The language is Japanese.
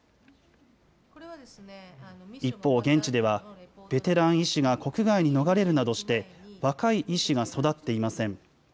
一方、現地ではベテラン医師が国外に逃れるなどして、若い医師が育っていません。